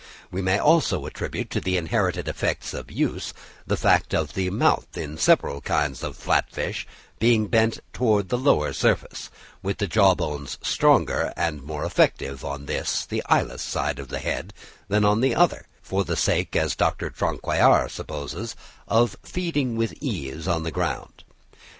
We may also attribute to the inherited effects of use the fact of the mouth in several kinds of flat fish being bent towards the lower surface, with the jaw bones stronger and more effective on this, the eyeless side of the head, than on the other, for the sake, as Dr. Traquair supposes, of feeding with ease on the ground.